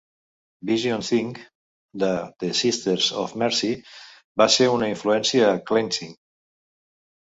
"Vision Thing" de The Sisters of Mercy va ser una influència a "Cleansing".